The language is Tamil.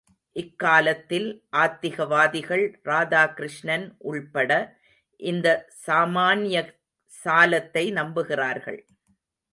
இக்கால ஆத்திகவாதிகள், ராதாகிருஷ்ணன் உள்பட இந்த சாமான்ய சாலத்தை நம்புகிறார்கள்.